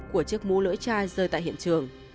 của chiếc mũ lưỡi chai rơi tại hiện trường